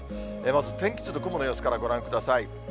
まず天気図と雲の様子からご覧ください。